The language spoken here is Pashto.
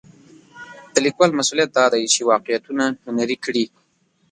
د لیکوال مسوولیت دا دی چې واقعیتونه هنري کړي.